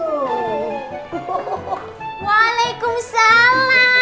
untuk mendapatkan akhir kata atau video selanjutnya